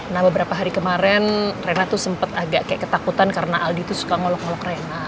nah beberapa hari kemarin rena tuh sempat agak kayak ketakutan karena aldi itu suka ngolok ngolok rena